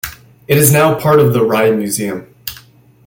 It is now part of the Rye Museum.